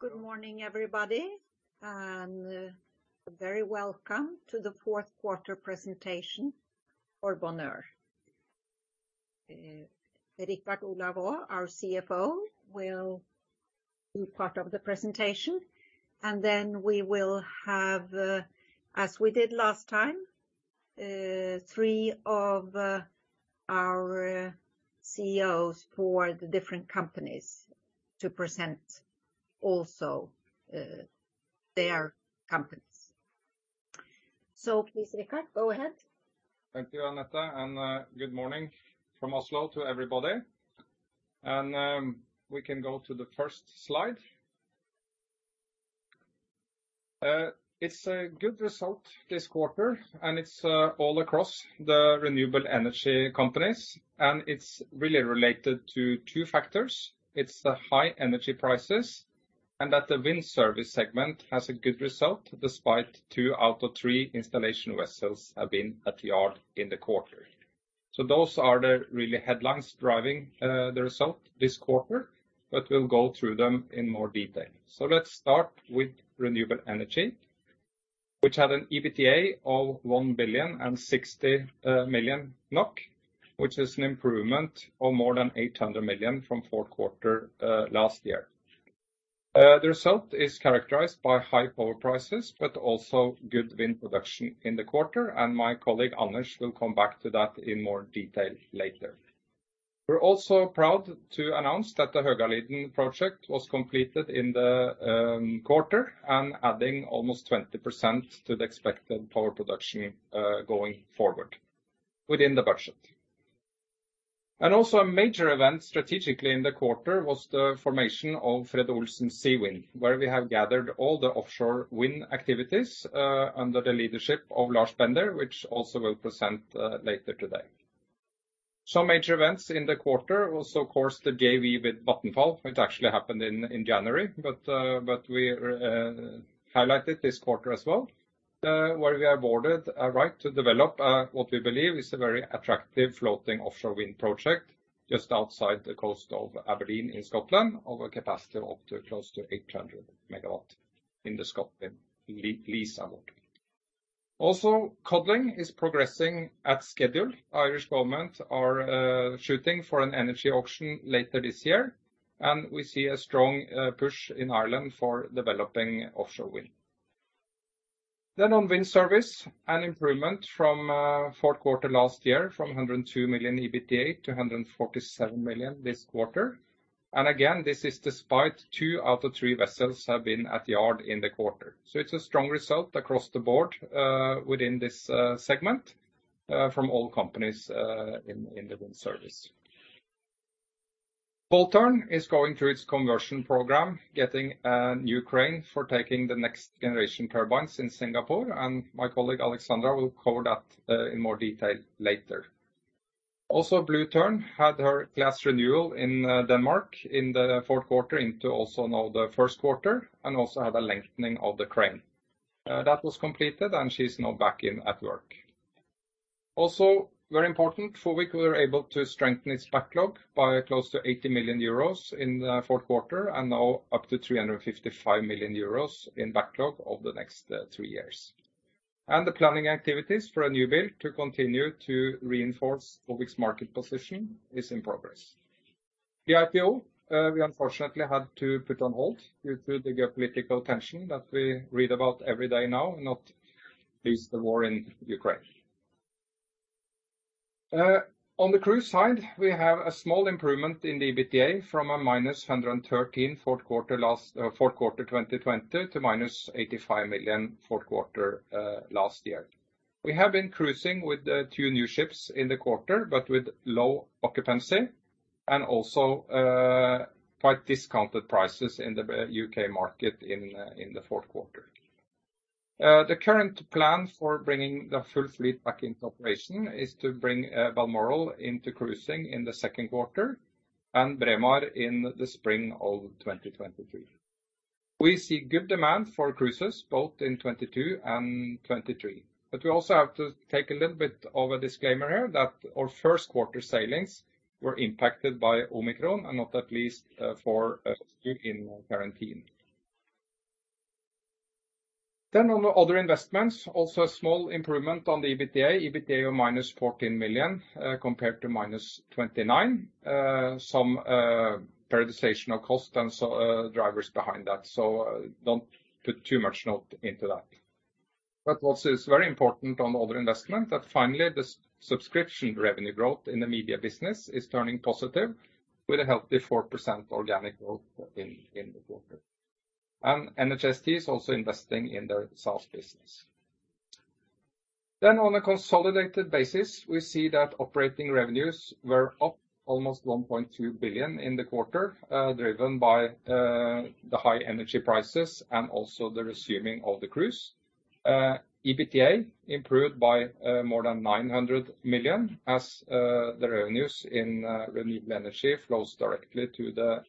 Good morning, everybody, and very welcome to the fourth quarter presentation for Bonheur. Richard Olav Aa, our CFO, will do part of the presentation, and then we will have, as we did last time, three of our CEOs for the different companies to present also their companies. Please, Richard, go ahead. Thank you, Anette, and good morning from Oslo to everybody. We can go to the first slide. It's a good result this quarter, and it's all across the renewable energy companies, and it's really related to two factors. It's the high energy prices, and that the wind service segment has a good result, despite two out of three installation vessels have been at the yard in the quarter. Those are the real headlines driving the result this quarter, but we'll go through them in more detail. Let's start with renewable energy, which had an EBITDA of 1,060 million NOK, which is an improvement of more than 800 million from fourth quarter last year. The result is characterized by high power prices, but also good wind production in the quarter, and my colleague, Anders, will come back to that in more detail later. We're also proud to announce that the Högaliden project was completed in the quarter and adding almost 20% to the expected power production going forward within the budget. Also a major event strategically in the quarter was the formation of Fred. Olsen Seawind, where we have gathered all the offshore wind activities under the leadership of Lars Bender, which also will present later today. Some major events in the quarter also, of course, the JV with Vattenfall, which actually happened in January, but we highlighted this quarter as well, where we awarded a right to develop what we believe is a very attractive floating offshore wind project just outside the coast of Aberdeen in Scotland over a capacity of up to close to 800 MW in the Scotland lease award. Also, Codling is progressing at schedule. Irish government are shooting for an energy auction later this year, and we see a strong push in Ireland for developing offshore wind. On wind service, an improvement from fourth quarter last year, from 102 million EBITDA to 147 million this quarter. Again, this is despite two out of three vessels have been at yard in the quarter. It's a strong result across the board within this segment from all companies in the wind service. Bold Tern is going through its conversion program, getting a new crane for taking the next generation turbines in Singapore, and my colleague, Alexandra, will cover that in more detail later. Also, Blue Tern had her class renewal in Denmark in the fourth quarter into also now the first quarter, and also had a lengthening of the crane. That was completed, and she's now back at work. Also, very important, for which we were able to strengthen its backlog by close to 80 million euros in the fourth quarter, and now up to 355 million euros in backlog over the next three years. The planning activities for a new build to continue to reinforce Bonheur's market position is in progress. The IPO, we unfortunately had to put on hold due to the geopolitical tension that we read about every day now, not least the war in Ukraine. On the cruise side, we have a small improvement in the EBITDA from -113 million in the fourth quarter 2020 to -85 million in the fourth quarter last year. We have been cruising with two new ships in the quarter, but with low occupancy and also quite discounted prices in the U.K. market in the fourth quarter. The current plan for bringing the full fleet back into operation is to bring Balmoral into cruising in the second quarter and Braemar in the spring of 2023. We see good demand for cruises both in 2022 and 2023. We also have to take a little bit of a disclaimer here that our first quarter sailings were impacted by Omicron and not at least for a group in quarantine. On the other investments, also a small improvement on the EBITDA. EBITDA of -14 million compared to -29 million. Some prioritization of cost and so drivers behind that. Don't put too much note into that. What is very important on the other investment, that finally the subscription revenue growth in the media business is turning positive with a healthy 4% organic growth in the quarter. NHST is also investing in the soft business. On a consolidated basis, we see that operating revenues were up almost 1.2 billion in the quarter, driven by the high energy prices and also the resuming of the cruise. EBITDA improved by more than 900 million as the revenues in renewable energy flows directly to the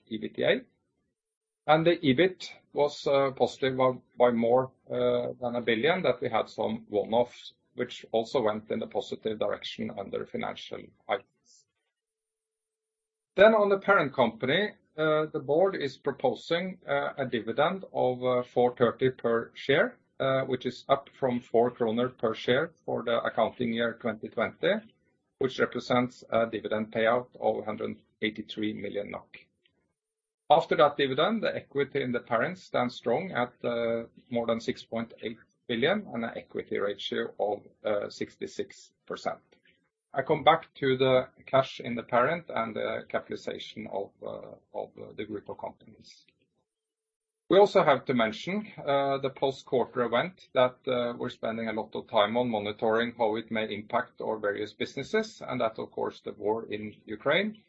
EBITDA. EBIT was positive by more than 1 billion, that we had some one-offs which also went in a positive direction under financial items. On the parent company, the board is proposing a dividend of 4.30 per share, which is up from 4 kroner per share for the accounting year 2020, which represents a dividend payout of 183 million NOK. After that dividend, the equity in the parent stands strong at more than 6.8 billion on an equity ratio of 66%. I come back to the cash in the parent and the capitalization of the group of companies. We also have to mention the post-quarter event that we're spending a lot of time on monitoring how it may impact our various businesses, and that of course, the war in Ukraine.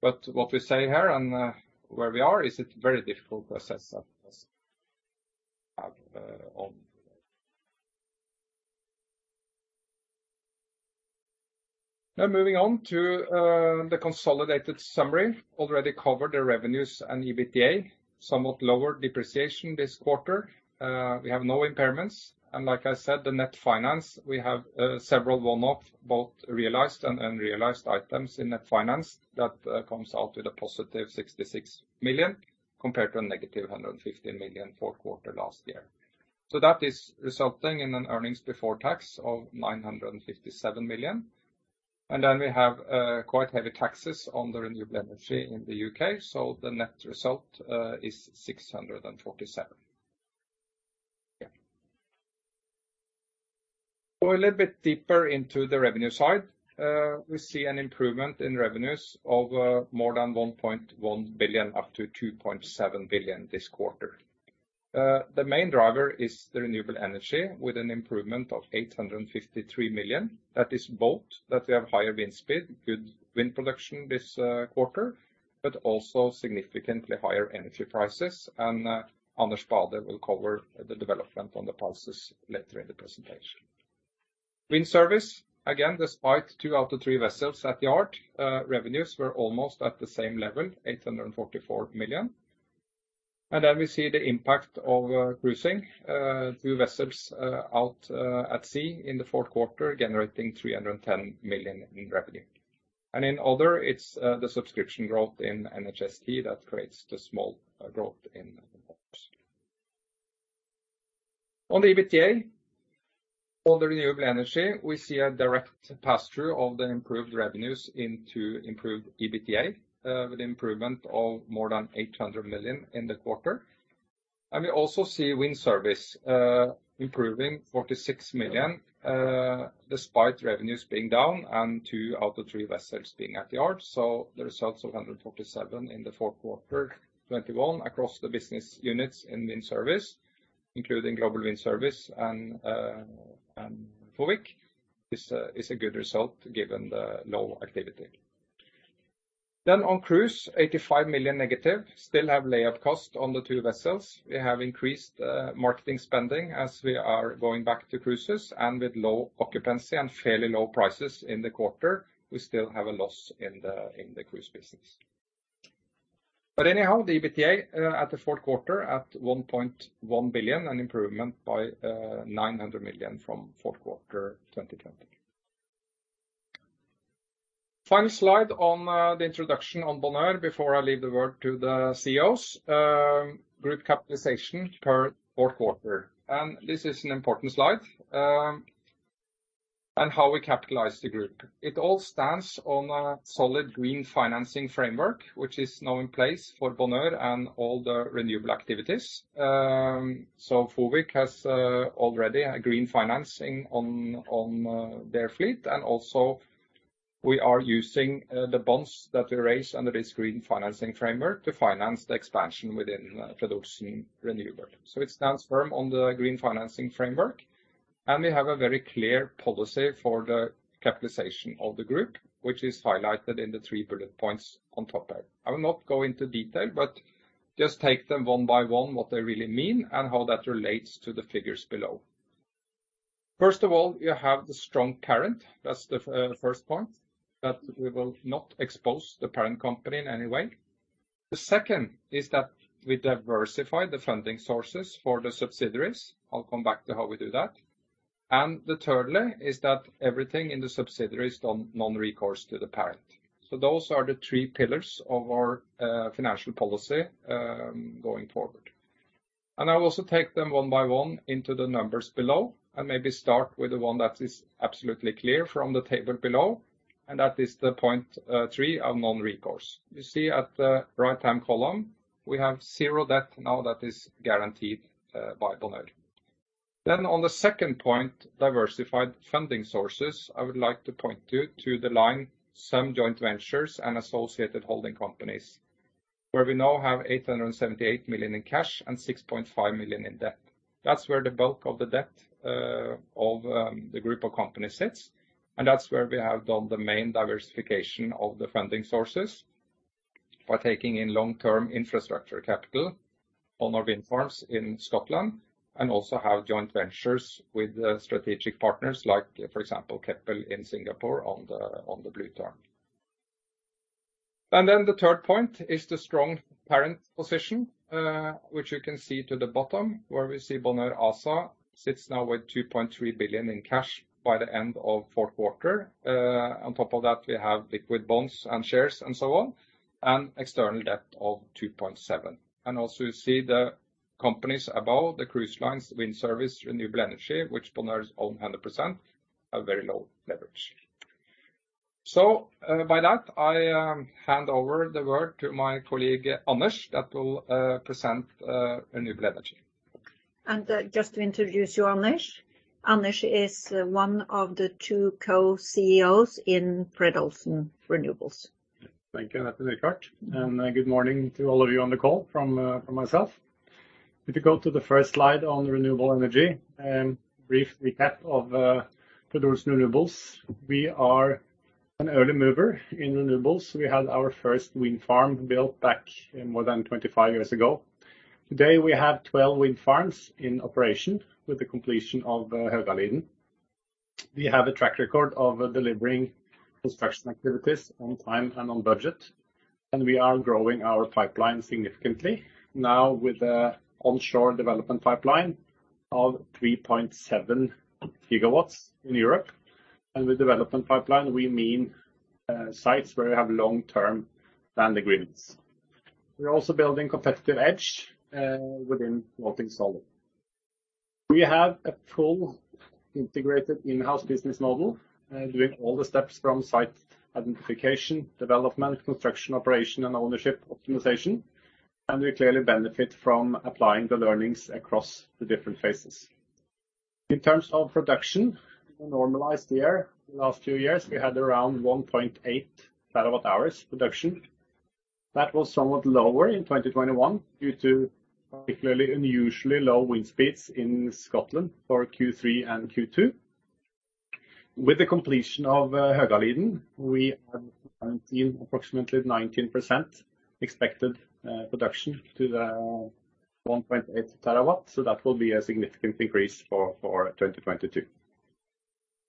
What we say here and where we are is it's very difficult to assess that as have on. Now moving on to the consolidated summary. Already covered the revenues and EBITDA, somewhat lower depreciation this quarter. We have no impairments. Like I said, the net finance, we have several one-off, both realized and unrealized items in net finance that comes out with a +66 million compared to a -150 million for the quarter last year. That is resulting in an earnings before tax of 957 million. Then we have quite heavy taxes on the renewable energy in the U.K. The net result is 647 million. Yeah. Go a little bit deeper into the revenue side. We see an improvement in revenues of more than 1.1 billion-2.7 billion this quarter. The main driver is the renewable energy with an improvement of 853 million. That is both we have higher wind speed, good wind production this quarter, but also significantly higher energy prices. Anders Bade will cover the development on the pluses later in the presentation. Wind service, again, despite two out of three vessels at yard, revenues were almost at the same level, 844 million. Then we see the impact of cruising, two vessels out at sea in the fourth quarter, generating 310 million in revenue. In other, it's the subscription growth in NHST that creates the small growth in the quarter. On the EBITDA for the renewable energy, we see a direct pass-through of the improved revenues into improved EBITDA, with improvement of more than 800 million in the quarter. We also see wind service improving 46 million despite revenues being down and two out of three vessels being at the yard. The results of 147 million in Q4 2021 across the business units in wind service, including Global Wind Service and FOWIC is a good result given the low activity. On cruise, -85 million still have layup cost on the two vessels. We have increased marketing spending as we are going back to cruises and with low occupancy and fairly low prices in the quarter, we still have a loss in the cruise business. Anyhow, the EBITDA at the fourth quarter at 1.1 billion, an improvement by 900 million from fourth quarter 2020. Final slide on the introduction on Bonheur before I leave the floor to the CEOs, group capitalization per fourth quarter. This is an important slide on how we capitalize the group. It all stands on a solid green financing framework, which is now in place for Bonheur and all the renewable activities. Fred. Olsen Windcarrier has already a green financing on their fleet. Also we are using the bonds that we raise under this green financing framework to finance the expansion within renewables. It stands firm on the green financing framework, and we have a very clear policy for the capitalization of the group, which is highlighted in the three bullet points on top there. I will not go into detail, but just take them one by one, what they really mean and how that relates to the figures below. First of all, you have the strong parent. That's the first point, that we will not expose the parent company in any way. The second is that we diversify the funding sources for the subsidiaries. I'll come back to how we do that. The thirdly is that everything in the subsidiaries non-recourse to the parent. So those are the three pillars of our financial policy going forward. I will also take them one by one into the numbers below, and maybe start with the one that is absolutely clear from the table below, and that is the point three, a non-recourse. You see at the right-hand column, we have zero debt now that is guaranteed by Bonheur. On the second point, diversified funding sources, I would like to point you to the line some joint ventures and associated holding companies, where we now have 878 million in cash and 6.5 million in debt. That's where the bulk of the debt of the group of companies sits, and that's where we have done the main diversification of the funding sources by taking in long-term infrastructure capital on our wind farms in Scotland, and also have joint ventures with strategic partners like, for example, Keppel in Singapore on the Blue Tern. The third point is the strong parent position, which you can see to the bottom where we see Bonheur ASA sits now with 2.3 billion in cash by the end of fourth quarter. On top of that, we have liquid bonds and shares and so on, and external debt of 2.7 billion. You see the companies above the cruise lines, wind service, renewable energy, which Bonheur own 100%, have very low leverage. By that, I hand over the word to my colleague, Anders, that will present renewable energy. Just to introduce you, Anders. Anders is one of the two Co-CEOs in Fred. Olsen Renewables. Thank you. That's very kind. Good morning to all of you on the call from myself. If you go to the first slide on renewable energy and brief recap of Fred. Olsen Renewables. We are an early mover in renewables. We had our first wind farm built back more than 25 years ago. Today, we have 12 wind farms in operation with the completion of the Högaliden. We have a track record of delivering construction activities on time and on budget, and we are growing our pipeline significantly now with the onshore development pipeline of 3.7 GW in Europe. With development pipeline, we mean sites where we have long-term land agreements. We're also building competitive edge within what we install. We have a full integrated in-house business model, doing all the steps from site identification, development, construction, operation and ownership optimization. We clearly benefit from applying the learnings across the different phases. In terms of production, the normalized year, the last few years, we had around 1.8 TWh production. That was somewhat lower in 2021 due to particularly unusually low wind speeds in Scotland for Q3 and Q2. With the completion of Högaliden, we have seen approximately 19% expected production to the 1.8 terawatts. That will be a significant increase for 2022.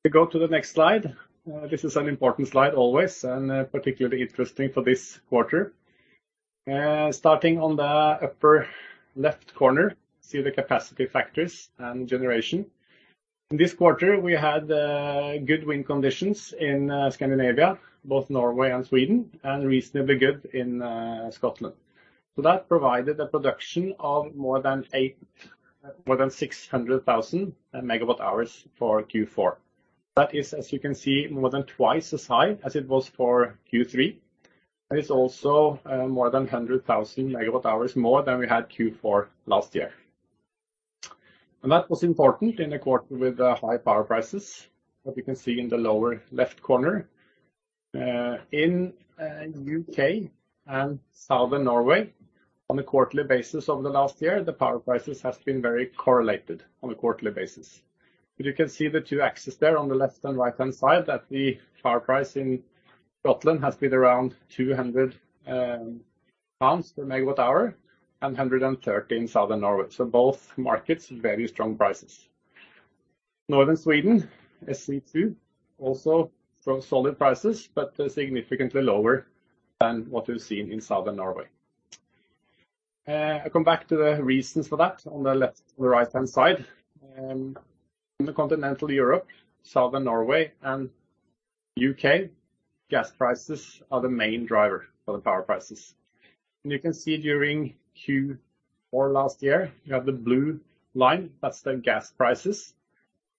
We go to the next slide. This is an important slide always, and particularly interesting for this quarter. Starting on the upper left corner, see the capacity factors and generation. In this quarter, we had good wind conditions in Scandinavia, both Norway and Sweden, and reasonably good in Scotland. That provided a production of more than 600,000 MWh for Q4. That is, as you can see, more than twice as high as it was for Q3. That is also more than 100,000 MWh more than we had Q4 last year. That was important in a quarter with high power prices, as you can see in the lower left corner. In the U.K. and Southern Norway, on a quarterly basis over the last year, the power prices has been very correlated on a quarterly basis. You can see the two axes there on the left- and right-hand side that the power price in Scotland has been around 200 pounds per MWh and 130 per MWh in Southern Norway. Both markets, very strong prices. Northern Sweden, SE2, also solid prices, but significantly lower than what we've seen in Southern Norway. I come back to the reasons for that on the left- and right-hand side. In the continental Europe, Southern Norway and U.K., gas prices are the main driver for the power prices. You can see during Q4 last year, you have the blue line, that's the gas prices,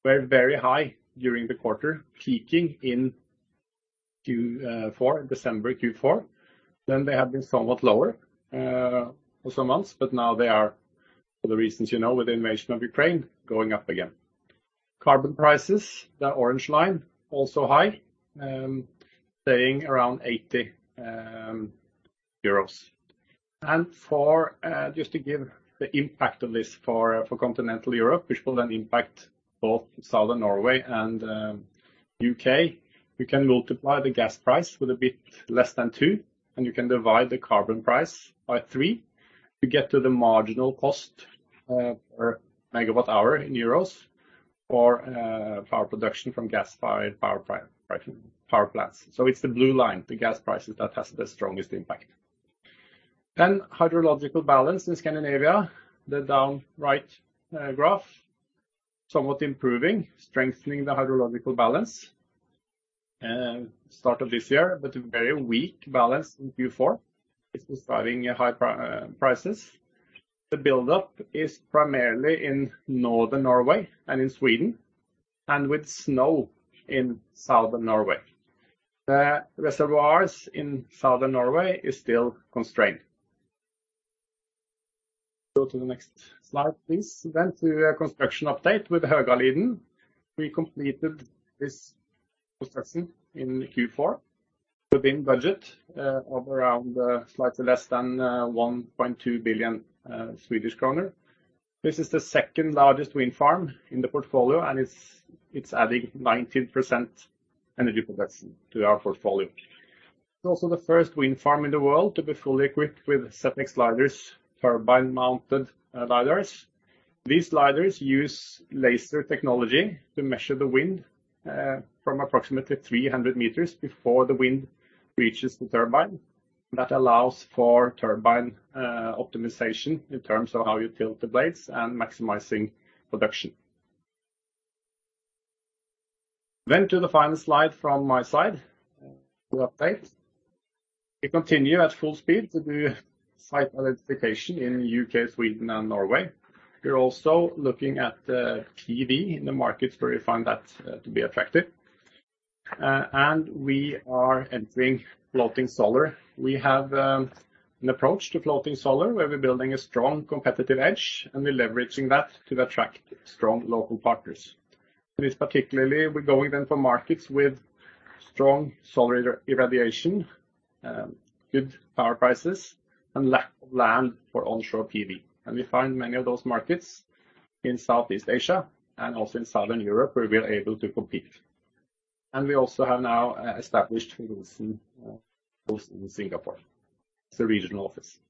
were very high during the quarter, peaking in Q4 December. They have been somewhat lower for some months, but now they are, for the reasons you know, with the invasion of Ukraine, going up again. Carbon prices, the orange line, also high, staying around EUR 80. For just to give the impact of this for continental Europe, which will then impact both Southern Norway and U.K., you can multiply the gas price with a bit less than two, and you can divide the carbon price by three to get to the marginal cost per megawatt hour in euros for power production from gas-fired power plants. It's the blue line, the gas prices that has the strongest impact. Hydrological balance in Scandinavia, the bottom right graph, somewhat improving, strengthening the hydrological balance start of this year, but a very weak balance in Q4. This was driving high prices. The buildup is primarily in Northern Norway and in Sweden, and with snow in Southern Norway. The reservoirs in Southern Norway is still constrained. Go to the next slide, please. To a construction update with Högaliden. We completed this construction in Q4 within budget of around slightly less than 1.2 billion Swedish kronor. This is the second-largest wind farm in the portfolio, and it's adding 19% energy production to our portfolio. It's also the first wind farm in the world to be fully equipped with ZX lidars, turbine-mounted lidars. These lidars use laser technology to measure the wind from approximately 300 meters before the wind reaches the turbine. That allows for turbine optimization in terms of how you tilt the blades and maximizing production. To the final slide from my side, to update. We continue at full speed to do site identification in U.K., Sweden, and Norway. We're also looking at PV in the markets where we find that to be attractive. We are entering floating solar. We have an approach to floating solar, where we're building a strong competitive edge, and we're leveraging that to attract strong local partners. This particularly, we're going then for markets with strong solar irradiation, good power prices, and lack of land for onshore PV. We also have now established a presence, both in Singapore. It's a regional office.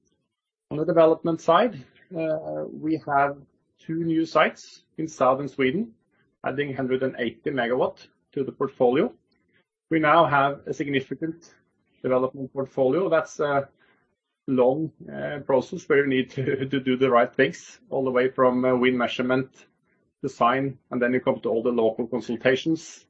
On the development side, we have two new sites in southern Sweden, adding 180 MW to the portfolio. We now have a significant development portfolio. That's a long process where you need to do the right things all the way from wind measurement, design, and then you come to all the local consultations,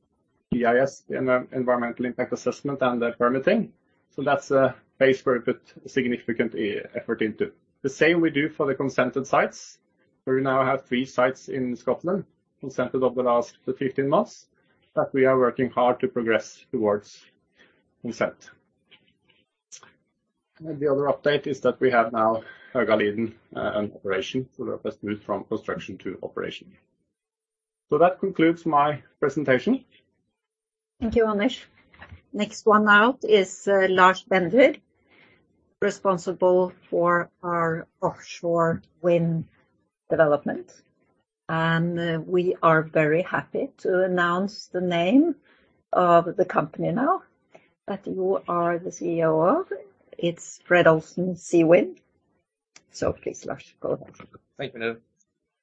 EIS, environmental impact assessment, and the permitting. That's a phase where we put significant effort into. The same we do for the consented sites, where we now have three sites in Scotland, consented over the last 15 months, that we are working hard to progress towards consent. The other update is that we have now Högaliden in operation. That has moved from construction to operation. That concludes my presentation. Thank you, Anders. Next one out is Lars Bender, responsible for our offshore wind development. We are very happy to announce the name of the company now that you are the CEO of It's Fred. Olsen Seawind. Please, Lars, go ahead. Thank you, Annette.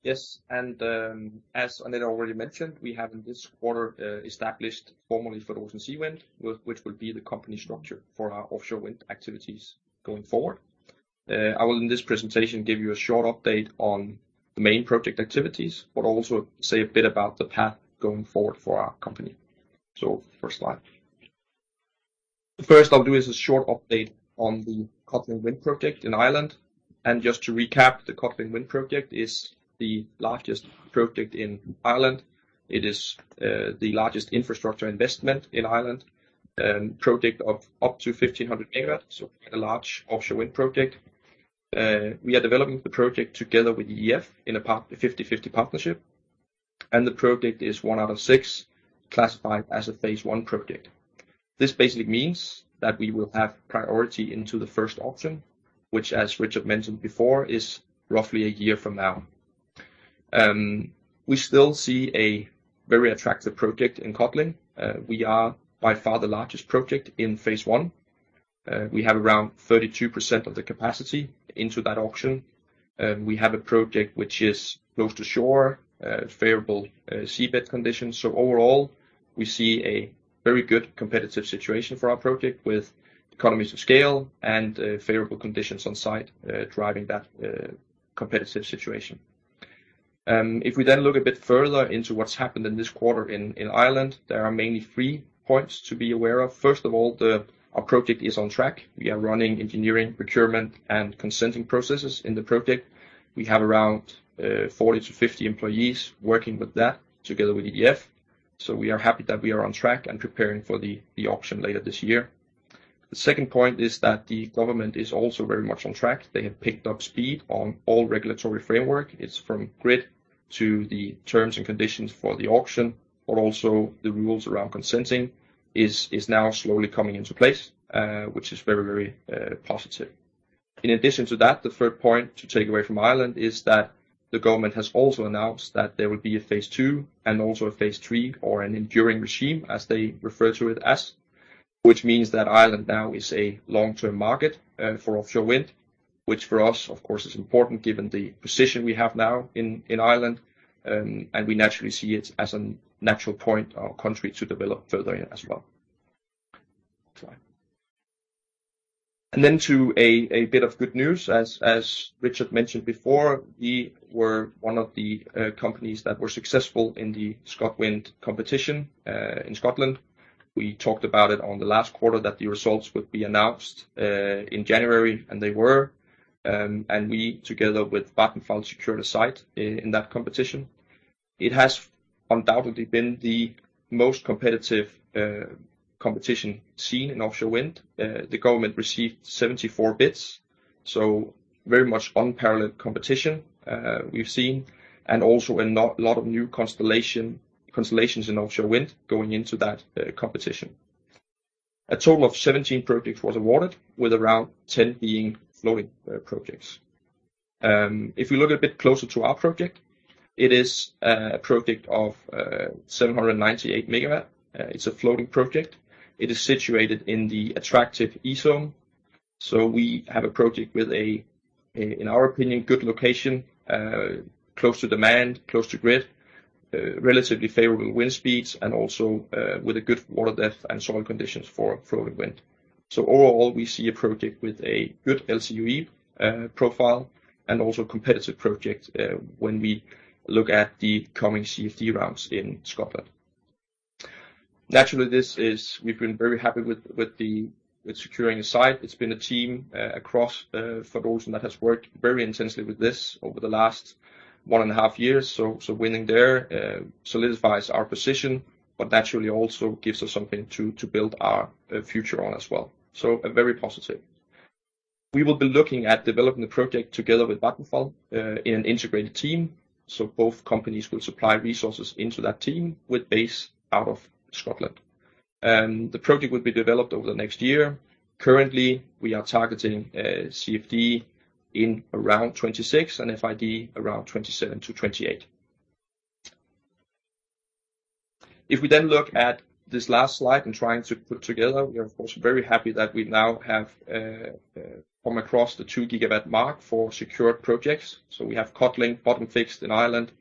Yes, as Annette already mentioned, we have in this quarter established formally Fred. Olsen Seawind, which will be the company structure for our offshore wind activities going forward. I will, in this presentation, give you a short update on the main project activities, but also say a bit about the path going forward for our company. First slide. First, I'll do is a short update on the Codling Wind project in Ireland. Just to recap, the Codling Wind project is the largest project in Ireland. It is the largest infrastructure investment in Ireland, project of up to 1,500 MW, so a large offshore wind project. We are developing the project together with EDF in a 50/50 partnership, and the project is one out of six classified as a phase I project. This basically means that we will have priority into the first auction, which as Richard mentioned before, is roughly a year from now. We still see a very attractive project in Codling. We are by far the largest project in phase I. We have around 32% of the capacity into that auction. We have a project which is close to shore, favorable seabed conditions. Overall, we see a very good competitive situation for our project with economies of scale and favorable conditions on site driving that competitive situation. If we then look a bit further into what's happened in this quarter in Ireland, there are mainly three points to be aware of. First of all, our project is on track. We are running engineering, procurement and consenting processes in the project. We have around 40 to 50 employees working with that together with EDF. We are happy that we are on track and preparing for the auction later this year. The second point is that the government is also very much on track. They have picked up speed on all regulatory framework. It's from grid to the terms and conditions for the auction, but also the rules around consenting is now slowly coming into place, which is very positive. In addition to that, the third point to take away from Ireland is that the government has also announced that there will be a phase II and also a phase III or an enduring regime, as they refer to it as. Which means that Ireland now is a long-term market for offshore wind, which for us of course is important given the position we have now in Ireland, and we naturally see it as a natural point or country to develop further in as well. Next slide. To a bit of good news. As Richard mentioned before, we were one of the companies that were successful in the ScotWind competition in Scotland. We talked about it in the last quarter that the results would be announced in January, and they were. We, together with Vattenfall, secured a site in that competition. It has undoubtedly been the most competitive competition seen in offshore wind. The government received 74 bids, so very much unparalleled competition we've seen, and also a lot of new constellations in offshore wind going into that competition. A total of 17 projects was awarded with around 10 being floating projects. If we look a bit closer to our project, it is a project of 798 MW. It's a floating project. It is situated in the attractive E Zone. We have a project with a, in our opinion, good location close to demand, close to grid, relatively favorable wind speeds, and also with a good water depth and soil conditions for floating wind. Overall, we see a project with a good LCOE profile and also competitive project when we look at the coming CfD rounds in Scotland. Naturally, we've been very happy with securing the site. It's been a team across Fred. Olsen that has worked very intensely with this over the last one and a half years. Winning there solidifies our position, but naturally also gives us something to build our future on as well. Very positive. We will be looking at developing the project together with Vattenfall in an integrated team, so both companies will supply resources into that team with base out of Scotland. The project will be developed over the next year. Currently, we are targeting CfD in around 2026 and FID around 2027 to 2028. If we then look at this last slide and trying to put together, we are of course very happy that we now have come across the 2 GW mark for secured projects. We have Codling bottom-fixed in Ireland,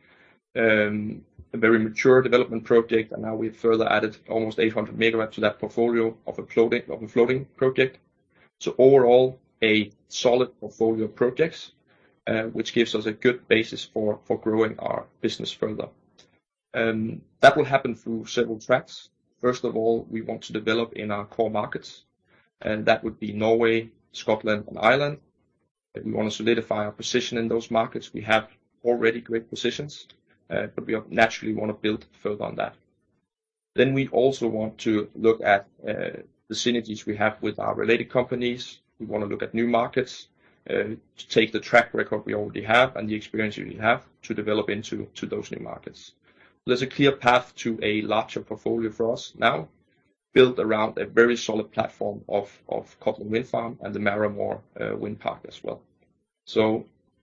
a very mature development project. Now we've further added almost 800 MW to that portfolio of a floating project. Overall, a solid portfolio of projects, which gives us a good basis for growing our business further. That will happen through several tracks. First of all, we want to develop in our core markets, and that would be Norway, Scotland, and Ireland. We wanna solidify our position in those markets. We have already great positions, but we naturally wanna build further on that. We also want to look at the synergies we have with our related companies. We wanna look at new markets to take the track record we already have and the experience we have to develop into to those new markets. There's a clear path to a larger portfolio for us now, built around a very solid platform of Codling Wind Park and the Magheramore Wind Park as well.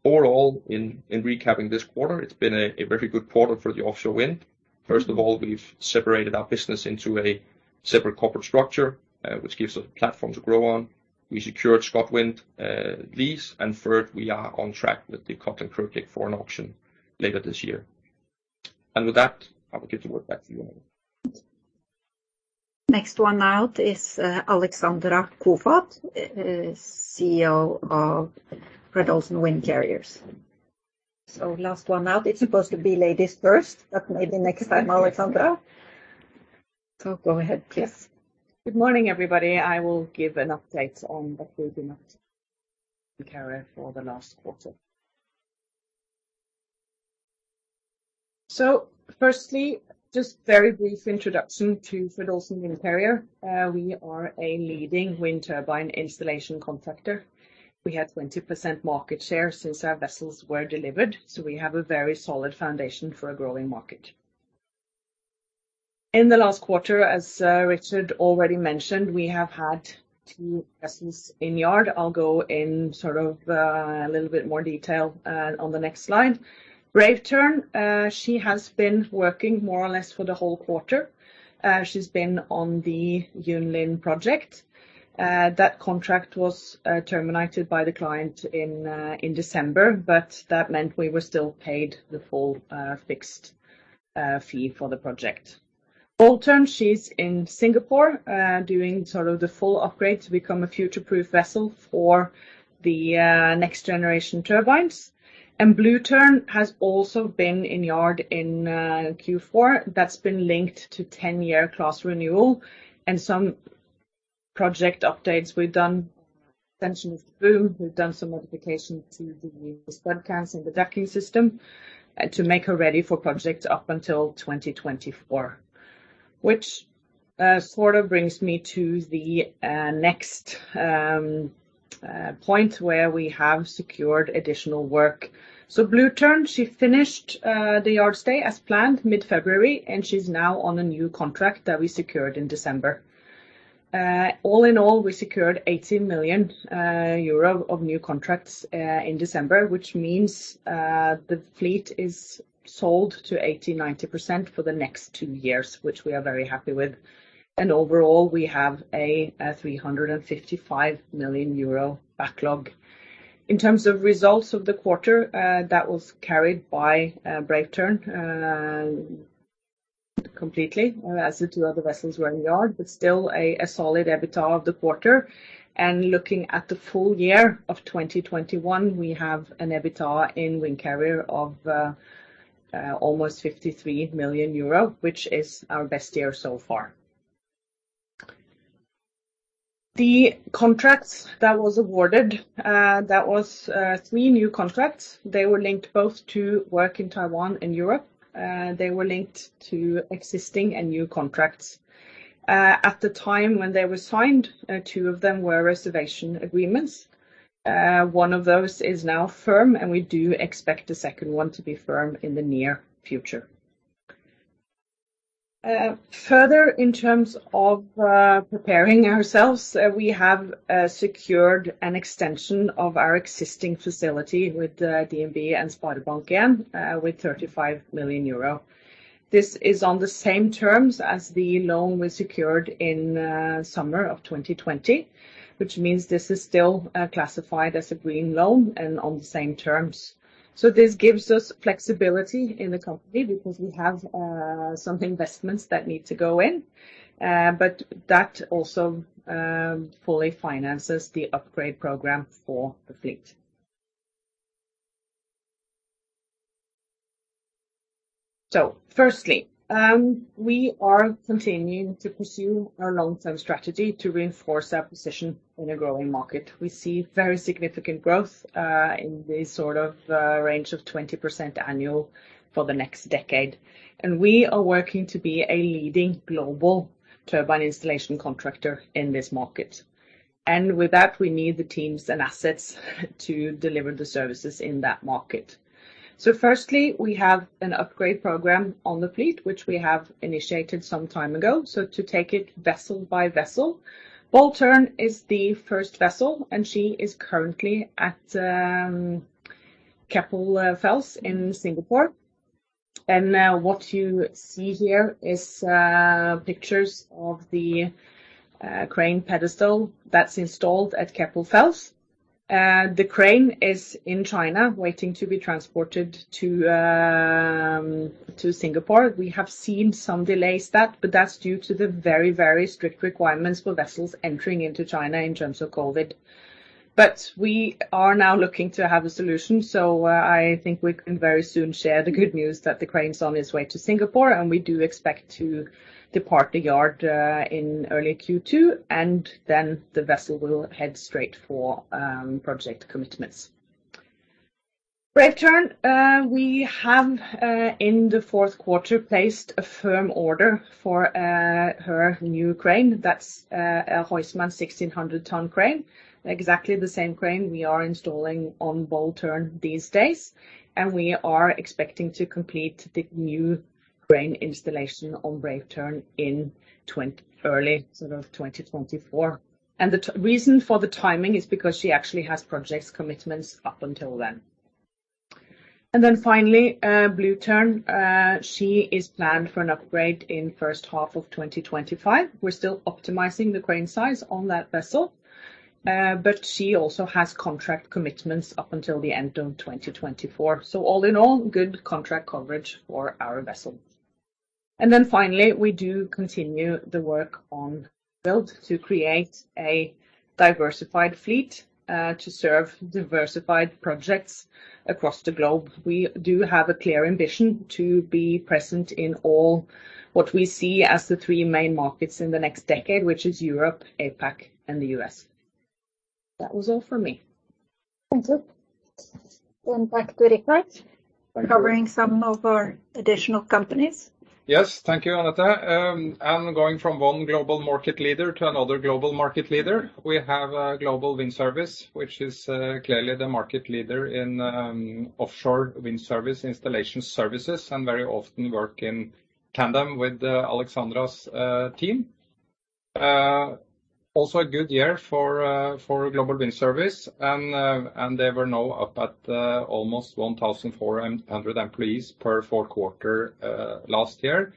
Overall, in recapping this quarter, it's been a very good quarter for the offshore wind. First of all, we've separated our business into a separate corporate structure, which gives us a platform to grow on. We secured ScotWind lease, and third, we are on track with the Codling project for an auction later this year. With that, I will give the word back to you, Anette. Next one out is Alexandra Koefoed, CEO of Fred. Olsen Windcarrier. Last one out. It's supposed to be ladies first, but maybe next time, Alexandra. Go ahead, please. Good morning, everybody. I will give an update on the Fred. Olsen Windcarrier for the last quarter. Firstly, just very brief introduction to Fred. Olsen Windcarrier. We are a leading wind turbine installation contractor. We have 20% market share since our vessels were delivered, so we have a very solid foundation for a growing market. In the last quarter, as Richard already mentioned, we have had two vessels in yard. I'll go in sort of a little bit more detail on the next slide. Brave Tern, she has been working more or less for the whole quarter. She's been on the Yunlin project. That contract was terminated by the client in December, but that meant we were still paid the full fixed fee for the project. Bold Tern, she's in Singapore, doing sort of the full upgrade to become a future-proof vessel for the next generation turbines. Blue Tern has also been in yard in Q4. That's been linked to 10-year class renewal and some project updates. We've done extension of the boom. We've done some modifications to the spud cans and the jacking system to make her ready for projects up until 2024. Which sort of brings me to the next point where we have secured additional work. Blue Tern, she finished the yard stay as planned mid-February, and she's now on a new contract that we secured in December. All in all, we secured 80 million euro of new contracts in December, which means the fleet is sold to 80%-90% for the next two years, which we are very happy with. Overall, we have a 355 million euro backlog. In terms of results of the quarter, that was carried by Brave Tern completely, as the two other vessels were in yard, but still a solid EBITDA of the quarter. Looking at the full year of 2021, we have an EBITDA in Windcarrier of almost 53 million euro, which is our best year so far. The contracts that was awarded, that was three new contracts. They were linked both to work in Taiwan and Europe. They were linked to existing and new contracts. At the time when they were signed, two of them were reservation agreements. One of those is now firm, and we do expect a second one to be firm in the near future. Further in terms of preparing ourselves, we have secured an extension of our existing facility with DNB and Sparebanken with 35 million euro. This is on the same terms as the loan we secured in summer of 2020, which means this is still classified as a green loan and on the same terms. This gives us flexibility in the company because we have some investments that need to go in, but that also fully finances the upgrade program for the fleet. Firstly, we are continuing to pursue our long-term strategy to reinforce our position in a growing market. We see very significant growth in the sort of range of 20% annual for the next decade. We are working to be a leading global turbine installation contractor in this market. With that, we need the teams and assets to deliver the services in that market. Firstly, we have an upgrade program on the fleet, which we have initiated some time ago. To take it vessel by vessel, Bold Tern is the first vessel, and she is currently at Keppel FELS in Singapore. What you see here is pictures of the crane pedestal that's installed at Keppel FELS. The crane is in China waiting to be transported to Singapore. We have seen some delays, but that's due to the very, very strict requirements for vessels entering into China in terms of COVID. We are now looking to have a solution. I think we can very soon share the good news that the crane is on its way to Singapore, and we do expect to depart the yard in early Q2, and then the vessel will head straight for project commitments. Brave Tern, we have in the fourth quarter placed a firm order for her new crane. That's a Huisman 1,600-ton crane. Exactly the same crane we are installing on Bold Tern these days, and we are expecting to complete the new crane installation on Brave Tern in early sort of 2024. The reason for the timing is because she actually has project commitments up until then. Then finally, Blue Tern. She is planned for an upgrade in first half of 2025. We're still optimizing the crane size on that vessel, but she also has contract commitments up until the end of 2024. All in all, good contract coverage for our vessel. Finally, we do continue the work on building to create a diversified fleet, to serve diversified projects across the globe. We do have a clear ambition to be present in all that we see as the three main markets in the next decade, which is Europe, APAC, and the U.S. That was all for me. Thank you. Back to Richard- Thank you. ...covering some of our additional companies. Yes. Thank you, Anette. Going from one global market leader to another global market leader, we have Global Wind Service, which is clearly the market leader in offshore wind service installation services, and very often work in tandem with Alexandra's team. Also a good year for Global Wind Service, and they were now up at almost 1,400 employees in the fourth quarter last year.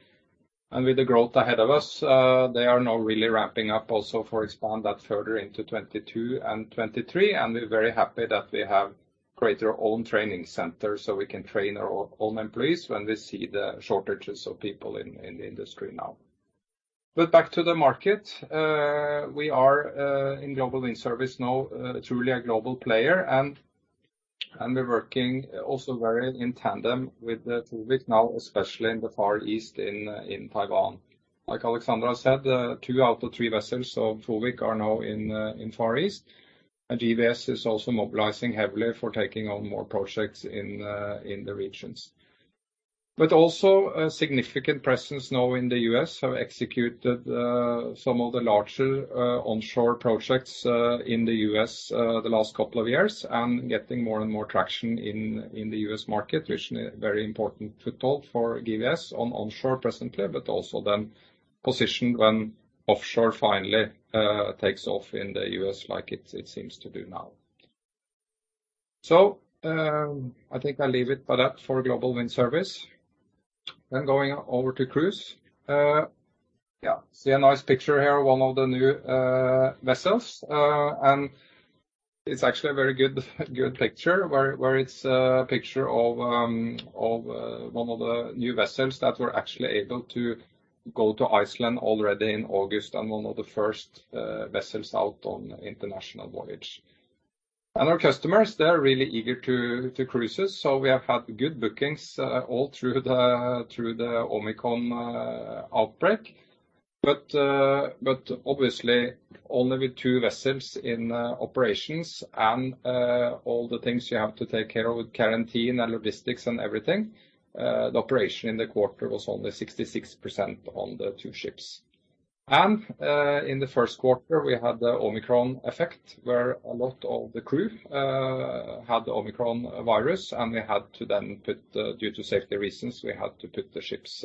With the growth ahead of us, they are now really ramping up also to expand that further into 2022 and 2023. We're very happy that we have our own training center, so we can train our own employees when we see the shortages of people in the industry now. Back to the market, we are in Global Wind Service now, truly a global player, and we're working also very in tandem with the Blue Tern now, especially in the Far East in Taiwan. Like Alexandra said, two out of three vessels of Blue Tern are now in Far East. GWS is also mobilizing heavily for taking on more projects in the regions. Also a significant presence now in the U.S., we have executed some of the larger onshore projects in the U.S. the last couple of years, and getting more and more traction in the U.S. market, which very important to talk for GWS on onshore presently, but also then positioned when offshore finally takes off in the U.S. like it seems to do now. I think I leave it by that for Global Wind Service. Going over to Cruise. Yeah, see a nice picture here, one of the new vessels. It's actually a very good picture where it's a picture of one of the new vessels that we're actually able to go to Iceland already in August, and one of the first vessels out on international voyage. Our customers, they're really eager to cruises, so we have had good bookings all through the Omicron outbreak. Obviously, only with two vessels in operations and all the things you have to take care of with quarantine and logistics and everything, the operation in the quarter was only 66% on the two ships. In the first quarter, we had the Omicron effect, where a lot of the crew had the Omicron virus, and due to safety reasons, we had to put the ships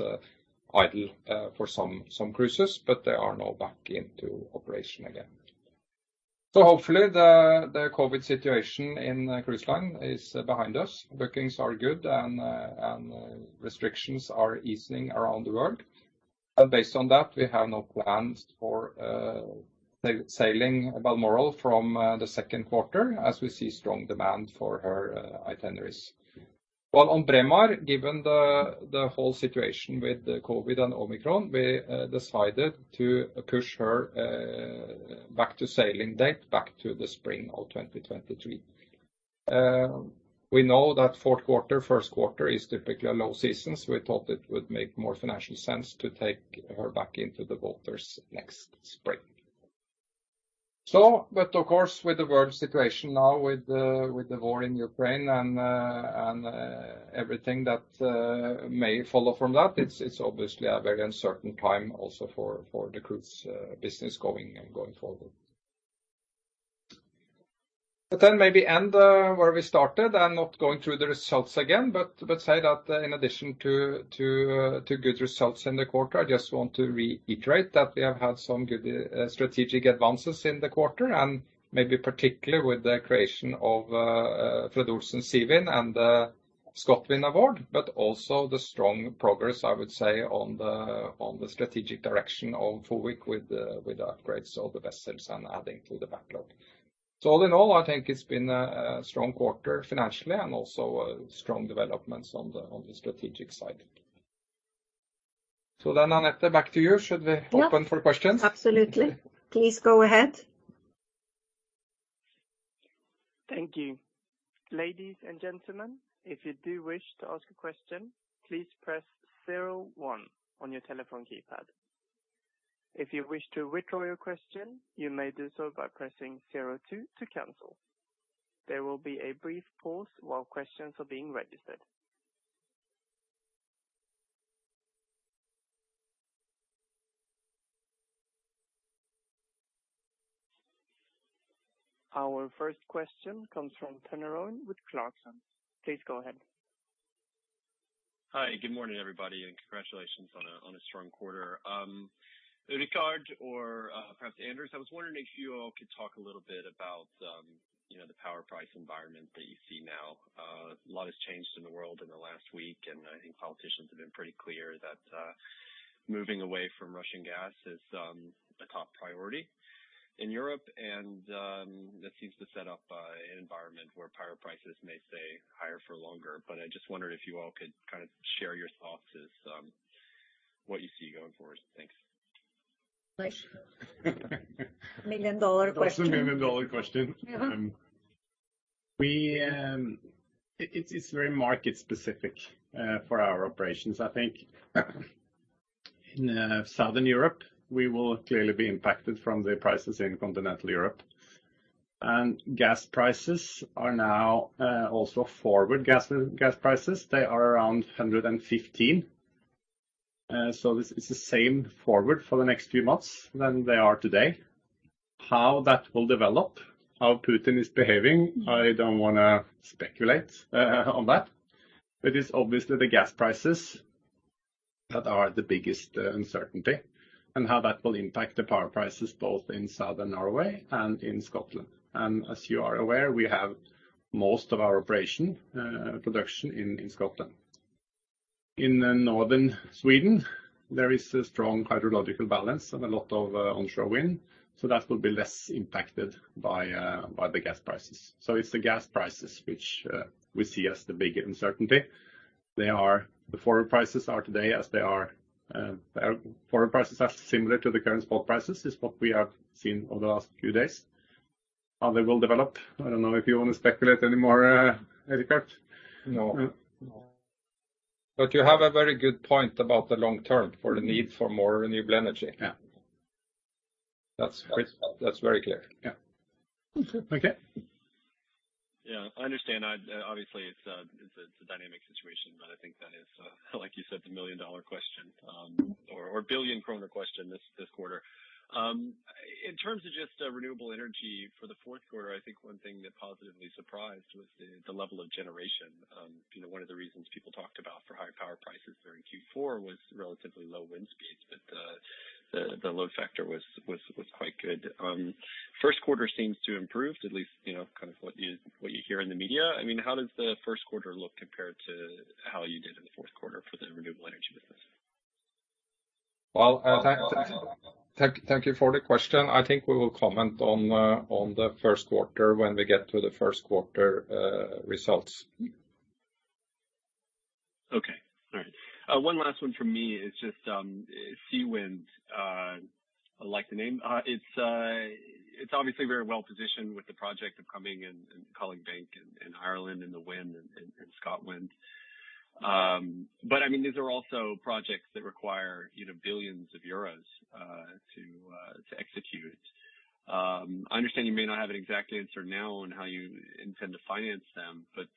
idle for some cruises, but they are now back into operation again. Hopefully the COVID situation in cruise line is behind us. Bookings are good and restrictions are easing around the world. Based on that, we have no plans for sailing Balmoral from the second quarter as we see strong demand for her itineraries. While on Braemar, given the whole situation with the COVID and Omicron, we decided to push her sailing date back to the spring of 2023. We know that fourth quarter, first quarter is typically a low season, so we thought it would make more financial sense to take her back into the waters next spring. Of course, with the world situation now with the war in Ukraine and everything that may follow from that, it's obviously a very uncertain time also for the cruise business going forward. Maybe end where we started and not going through the results again, but say that in addition to good results in the quarter, I just want to reiterate that we have had some good strategic advances in the quarter, and maybe particularly with the creation of Fred. Olsen Seawind and the ScotWind award, but also the strong progress, I would say, on the strategic direction of Fred. Olsen Windcarrier with the upgrades of the vessels and adding to the backlog. All in all, I think it's been a strong quarter financially and also strong developments on the strategic side. Then, Annette, back to you. Should we open for questions? Yeah. Absolutely. Please go ahead. Thank you. Our first question comes from Turner Holm with Clarksons. Please go ahead. Hi, good morning, everybody, and congratulations on a strong quarter. Richard or perhaps Anders, I was wondering if you all could talk a little bit about, you know, the power price environment that you see now. A lot has changed in the world in the last week, and I think politicians have been pretty clear that moving away from Russian gas is a top priority in Europe. That seems to set up an environment where power prices may stay higher for longer. I just wondered if you all could kind of share your thoughts on what you see going forward. Thanks. Nice. Million-dollar question. That's the million-dollar question. Yeah. It's very market specific for our operations. I think in Southern Europe, we will clearly be impacted from the prices in continental Europe. Gas prices are now also forward gas prices. They are around 115. This is the same forward for the next few months than they are today. How that will develop, how Putin is behaving, I don't wanna speculate on that. It's obviously the gas prices that are the biggest uncertainty and how that will impact the power prices both in Southern Norway and in Scotland. As you are aware, we have most of our operation production in Scotland. In Northern Sweden, there is a strong hydrological balance and a lot of onshore wind, so that will be less impacted by the gas prices. It's the gas prices which we see as the big uncertainty. The forward prices are today as they are. Forward prices are similar to the current spot prices. It's what we have seen over the last few days. How they will develop, I don't know if you want to speculate any more, Rikard. No. You have a very good point about the long term for the need for more renewable energy. Yeah. That's very clear. Yeah. Okay. I understand. Obviously it's a dynamic situation, but I think that is, like you said, the million-dollar question or billion kroner question this quarter. In terms of just renewable energy for the fourth quarter, I think one thing that positively surprised was the level of generation. You know, one of the reasons people talked about for high power prices during Q4 was relatively low wind speeds, but the load factor was quite good. First quarter seems to improve, at least, you know, kind of what you hear in the media. I mean, how does the first quarter look compared to how you did in the fourth quarter for the renewable energy business? Well, thank you for the question. I think we will comment on the first quarter when we get to the first quarter results. Okay. All right. One last one from me is just Seawind. I like the name. It's obviously very well-positioned with the project upcoming in Codling Bank, in Ireland, and ScotWind in Scotland. But I mean, these are also projects that require, you know, billions of euros to execute. I understand you may not have an exact answer now on how you intend to finance them, but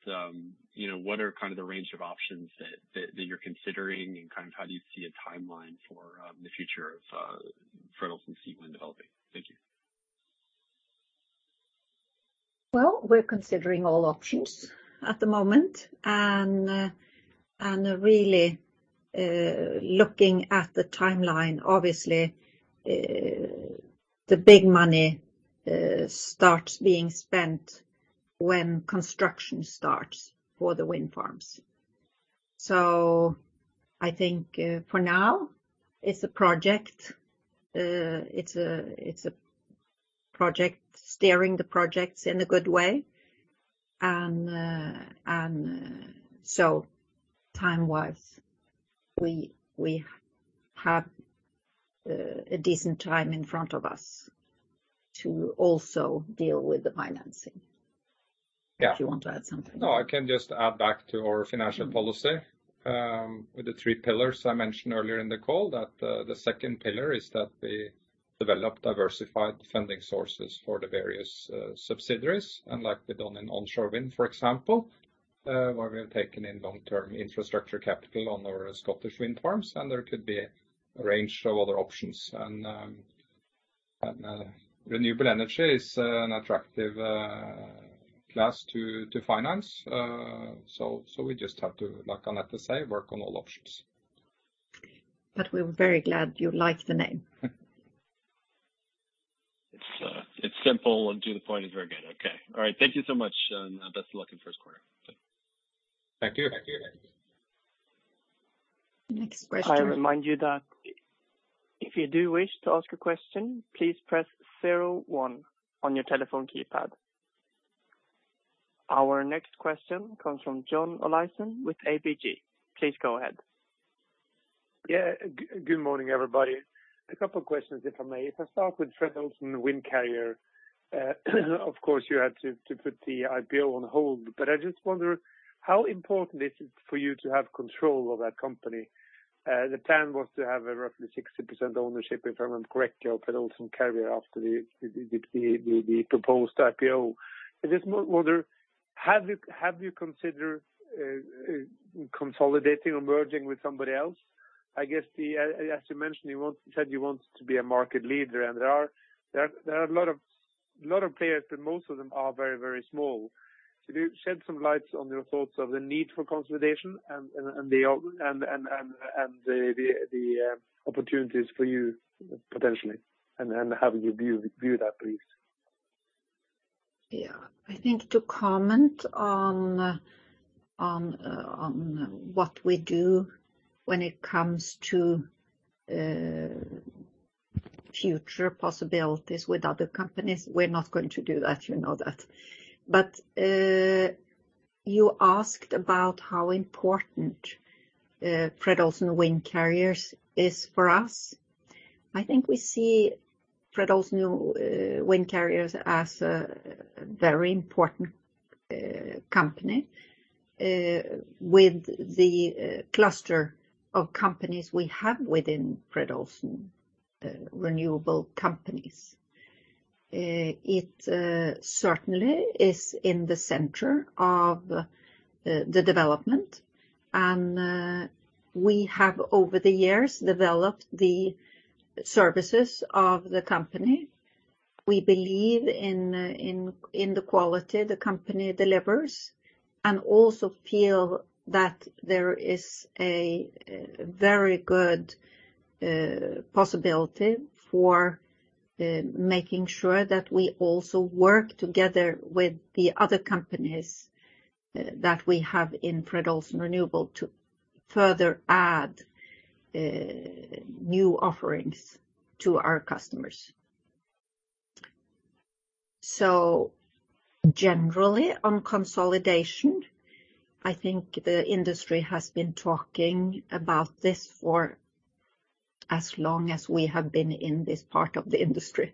you know, what are kind of the range of options that you're considering and kind of how do you see a timeline for the future of Fred. Olsen Seawind developing? Thank you. Well, we're considering all options at the moment. Really looking at the timeline, obviously, the big money starts being spent when construction starts for the wind farms. I think for now it's a project. It's a project, steering the projects in a good way. Time-wise, we have a decent time in front of us to also deal with the financing. Yeah. If you want to add something. No, I can just add back to our financial policy, with the three pillars I mentioned earlier in the call, that the second pillar is that we develop diversified funding sources for the various subsidiaries, unlike we've done in onshore wind, for example, where we have taken in long-term infrastructure capital on our Scottish wind farms, and there could be a range of other options and renewable energy is an attractive class to finance. So we just have to, like Annette say, work on all options. We're very glad you like the name. It's simple and to the point. It's very good. Okay. All right. Thank you so much. Best of luck in first quarter. Thank you. Thank you. Next question. I remind you that if you do wish to ask a question, please press zero one on your telephone keypad. Our next question comes from John Olaisen with ABG. Please go ahead. Yeah. Good morning, everybody. A couple of questions, if I may. If I start with Fred. Olsen Windcarrier, of course, you had to put the IPO on hold, but I just wonder how important is it for you to have control of that company? The plan was to have a roughly 60% ownership, if I remember correctly, of Fred. Olsen Windcarrier after the proposed IPO. I just wonder, have you considered consolidating or merging with somebody else? I guess, as you mentioned, you said you want to be a market leader. There are a lot of players, but most of them are very, very small. Could you shed some light on your thoughts of the need for consolidation and the opportunities for you potentially, and how would you view that, please? Yeah. I think to comment on what we do when it comes to future possibilities with other companies, we're not going to do that, you know that. You asked about how important Fred. Olsen Windcarrier is for us. I think we see Fred. Olsen Windcarrier as a very important company with the cluster of companies we have within Fred. Olsen Renewables companies. It certainly is in the center of the development. We have over the years developed the services of the company. We believe in the quality the company delivers, and also feel that there is a very good possibility for making sure that we also work together with the other companies that we have in Fred. Olsen Renewables to further add new offerings to our customers. Generally, on consolidation, I think the industry has been talking about this for as long as we have been in this part of the industry.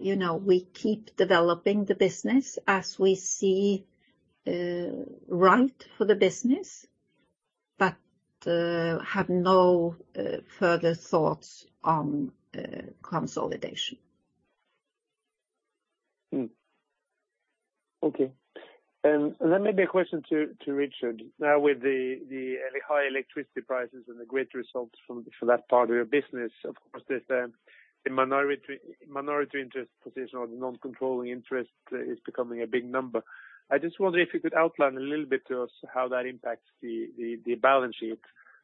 You know, we keep developing the business as we see fit for the business, but have no further thoughts on consolidation. Maybe a question to Richard. Now, with the high electricity prices and the great results from that part of your business, of course, the minority interest position or the non-controlling interest is becoming a big number. I just wonder if you could outline a little bit to us how that impacts the balance sheet.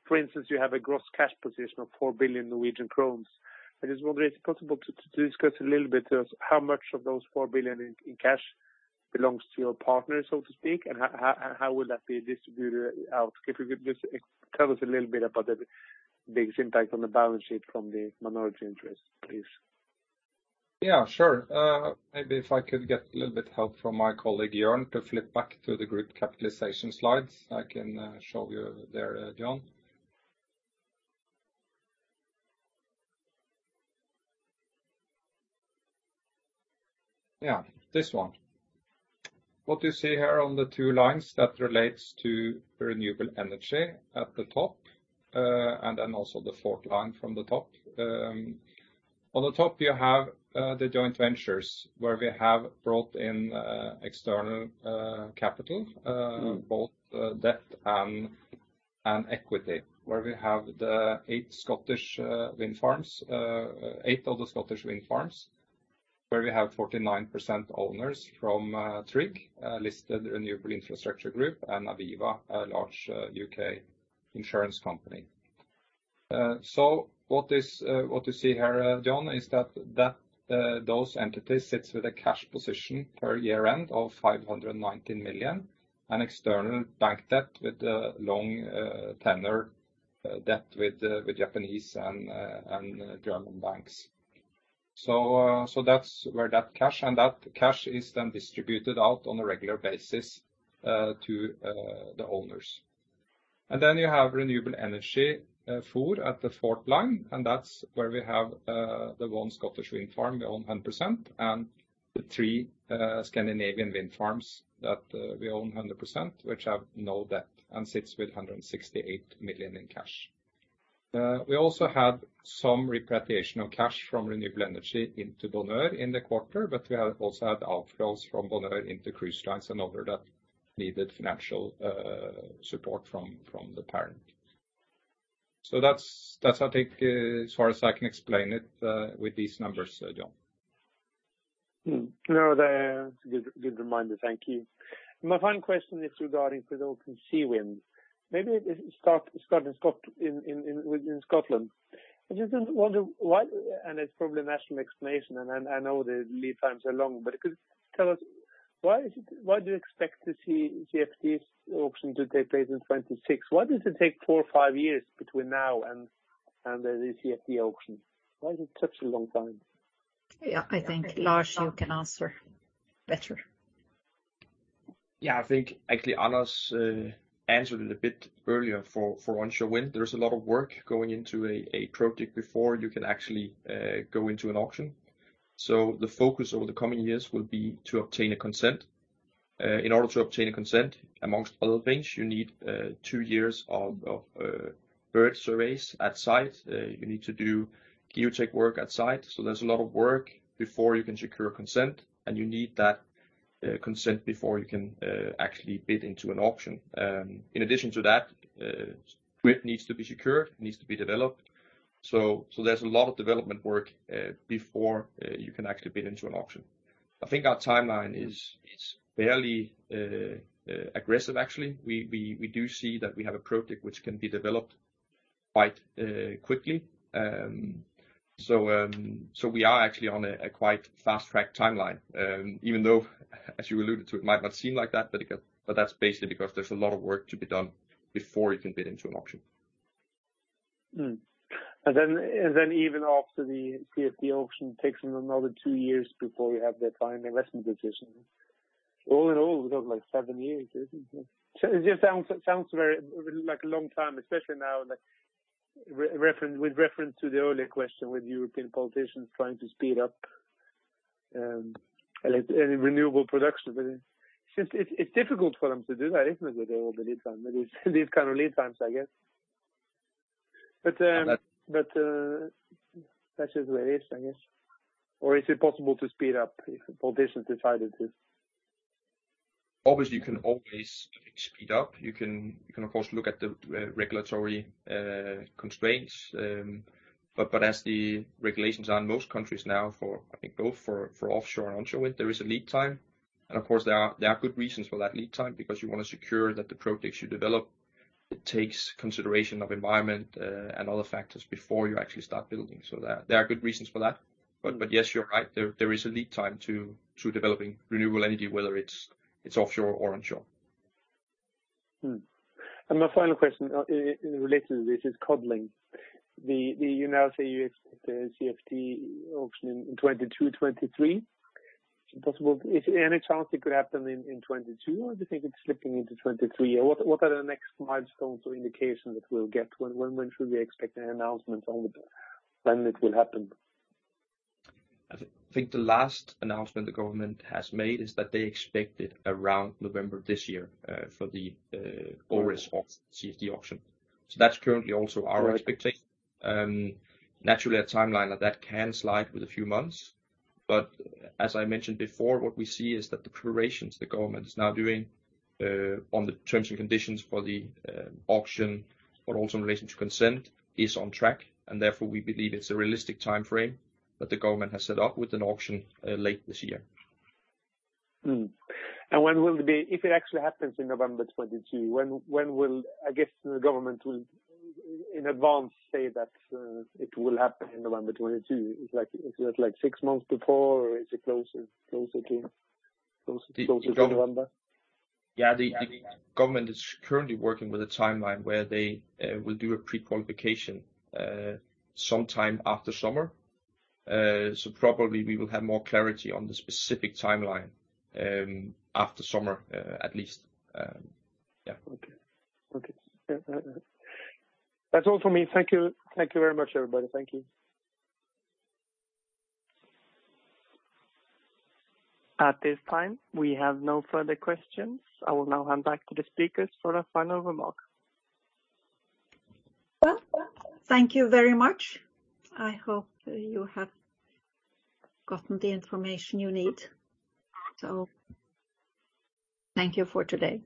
For instance, you have a gross cash position of 4 billion. I just wonder if it's possible to discuss a little bit just how much of those 4 billion in cash belongs to your partners, so to speak, and how would that be distributed out. If you could just tell us a little bit about the big impact on the balance sheet from the minority interest, please. Yeah, sure. Maybe if I could get a little bit help from my colleague, Jørn, to flip back to the group capitalization slides, I can show you there, John. Yeah, this one. What you see here on the two lines that relates to renewable energy at the top, and then also the fourth line from the top. On the top you have the joint ventures where we have brought in external capital. Mm-hmm. Both debt and equity, where we have eight of the Scottish wind farms, where we have 49% owners from TRIG, the listed Renewables Infrastructure Group and Aviva, a large U.K. insurance company. What you see here, John, is that those entities sits with a cash position per year end of 519 million, an external bank debt with a long tenure debt with Japanese and German banks. That's where that cash is then distributed out on a regular basis to the owners. You have renewable energy, four at the fourth line, and that's where we have the one Scottish wind farm we own 100%, and the three Scandinavian wind farms that we own 100%, which have no debt and sits with 168 million in cash. We also have some repatriation of cash from renewable energy into Bonheur in the quarter, but we have also had outflows from Bonheur into Cruise Lines and other that needed financial support from the parent. That's, I think, as far as I can explain it with these numbers, John. No, they're a good reminder. Thank you. My final question is regarding the offshore wind. Maybe it starts in ScotWind in Scotland. I just wonder why. It's probably a national explanation, and I know the lead times are long, but could you tell us why you expect to see CfD auction to take place in 2026? Why does it take four or five years between now and the CfD auction? Why is it such a long time? Yeah, I think, Lars, you can answer better. Yeah, I think actually Anders answered it a bit earlier for onshore wind. There is a lot of work going into a project before you can actually go into an auction. The focus over the coming years will be to obtain a consent. In order to obtain a consent, among other things, you need two years of bird surveys at site. You need to do geotech work at site. There's a lot of work before you can secure consent, and you need that consent before you can actually bid into an auction. In addition to that, site needs to be secured and developed. There's a lot of development work before you can actually bid into an auction. I think our timeline is fairly aggressive, actually. We do see that we have a project which can be developed quite quickly. We are actually on a quite fast-track timeline. Even though, as you alluded to, it might not seem like that, but that's basically because there's a lot of work to be done before you can bid into an auction. Even after the CfD auction takes another two years before we have the final investment decision. All in all, we've got, like, seven years, isn't it? It just sounds very like a long time, especially now, like, with reference to the earlier question with European politicians trying to speed up any renewable production. Since it's difficult for them to do that, isn't it, with all the lead time, with these kind of lead times, I guess. That's just the way it is, I guess. Is it possible to speed up if politicians decided to? Obviously, you can always speed up. You can, of course, look at the regulatory constraints. As the regulations are in most countries now, I think, for both offshore and onshore wind, there is a lead time. Of course, there are good reasons for that lead time because you want to secure that the projects you develop, it takes consideration of environment and other factors before you actually start building. There are good reasons for that. Yes, you're right. There is a lead time to developing renewable energy, whether it's offshore or onshore. My final question in relation to this is Codling. You now say you expect a CfD auction in 2022, 2023. Is any chance it could happen in 2022, or do you think it's slipping into 2023? What are the next milestones or indications that we'll get? When should we expect an announcement on when it will happen? I think the last announcement the government has made is that they expect it around November this year for the first CfD auction. That's currently also our expectation. Naturally, a timeline like that can slide with a few months. As I mentioned before, what we see is that the preparations the government is now doing on the terms and conditions for the auction, but also in relation to consent, is on track. Therefore, we believe it's a realistic timeframe that the government has set up with an auction late this year. When will it be? If it actually happens in November 2022, when will the government in advance say that it will happen in November 2022? Is that like six months before or is it closer to November? Yeah. The government is currently working with a timeline where they will do a prequalification sometime after summer. Probably we will have more clarity on the specific timeline after summer, at least. Yeah. Okay. That's all for me. Thank you. Thank you very much, everybody. Thank you. At this time, we have no further questions. I will now hand back to the speakers for their final remarks. Well, thank you very much. I hope you have gotten the information you need. Thank you for today.